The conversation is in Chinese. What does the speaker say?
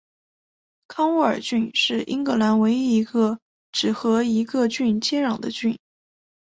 康沃尔郡是英格兰唯一一个只和一个郡接壤的郡。